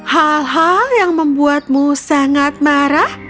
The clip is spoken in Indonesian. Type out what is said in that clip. hal hal yang membuatmu sangat marah